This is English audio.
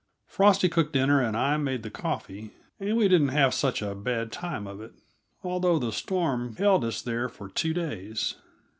Frosty cooked dinner and I made the coffee, and we didn't have such a bad time of it, although the storm held us there for two days.